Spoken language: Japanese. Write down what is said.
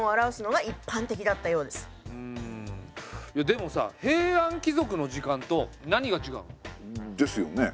でもさ平安貴族の時間と何がちがうの？ですよね。